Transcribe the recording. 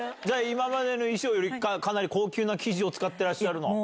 じゃあ、今までの衣装より、かなり高級な生地を使ってらっしゃるの？